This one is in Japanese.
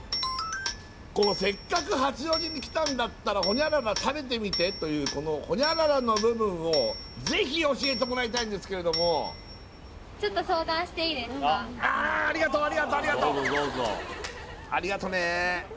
「せっかく八王子に来たんだったら○○食べてみて！」というこの○○の部分をぜひ教えてもらいたいんですけれどもありがとね